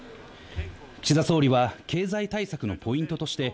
岸田総理は経済対策のポイントとして、